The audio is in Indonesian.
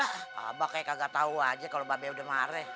abah kayak kagak tau aja kalo babe udah mareh